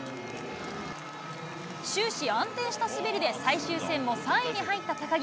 終始安定した滑りで最終戦も３位に入った高木。